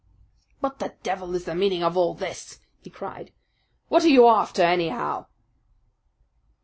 "What the devil is the meaning of all this?" he cried. "What are you after, anyhow?"